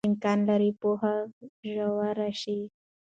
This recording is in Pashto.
امکان لري پوهه ژوره شي.